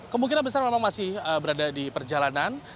kemungkinan besar memang masih berada di perjalanan